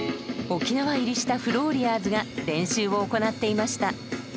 沖縄入りしたフローリアーズが練習を行っていました。